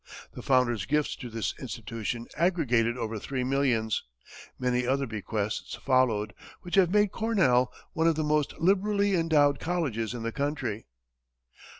The founder's gifts to this institution aggregated over three millions. Many other bequests followed, which have made Cornell one of the most liberally endowed colleges in the country.